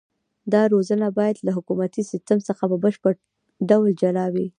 دا روزنه باید له حکومتي سیستم څخه په بشپړ ډول جلا وي.